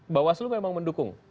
mbak waslu memang mendukung